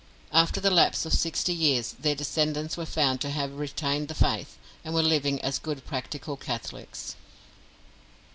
After the lapse of sixty years their descendents were found to have retained the faith, and were living as good practical Catholics.